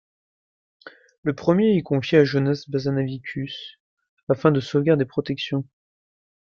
Le premier est confié à Jonas Basanavičius à fin de sauvegarde et protection.